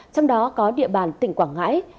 trong đó có địa bàn tỉnh quảng ngãi